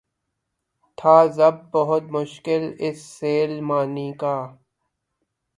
تھا ضبط بہت مشکل اس سیل معانی کا